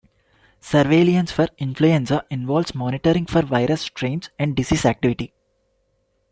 Surveillance for influenza involves monitoring for virus strains and disease activity.